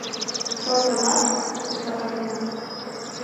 — Шортынат? — йодо Алина.